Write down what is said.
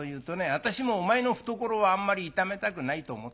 私もお前の懐をあんまり痛めたくないと思ってさ